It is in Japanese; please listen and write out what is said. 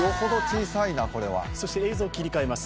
映像切り替えます。